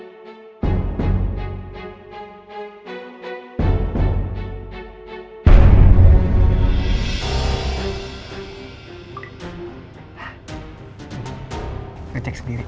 lo udah ngecek sendiri